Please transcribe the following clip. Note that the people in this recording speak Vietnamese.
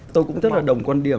tôi cũng rất là đồng quan điểm